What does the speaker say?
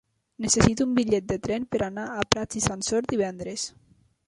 Necessito un bitllet de tren per anar a Prats i Sansor divendres.